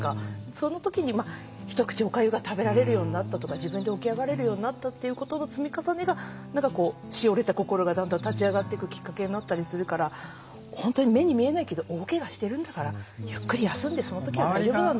その時に一口おかゆが食べられるようになったとか自分で起き上がれるようになったっていうことの積み重ねが何かこうしおれた心がだんだん立ち上がっていくきっかけになったりするから本当に目に見えないけど大けがしてるんだからゆっくり休んでその時は大丈夫なんだよって。